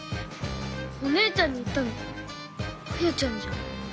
お姉ちゃんに言ったのあやちゃんじゃん。